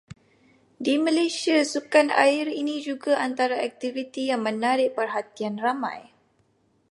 Di Malaysia sukan air ini juga antara aktiviti yang menarik perhatian ramai.